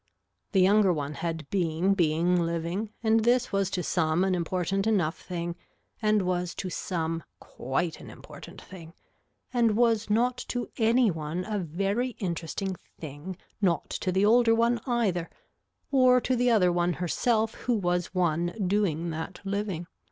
The younger one had been being living and this was to some an important enough thing and was to some quite an important thing and was not to any one a very interesting thing not to the older one either or to the other one herself who was one doing that living.